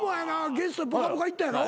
ゲスト『ぽかぽか』行ったやろ？